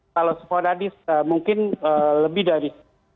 kalau sporadis mungkin lebih dari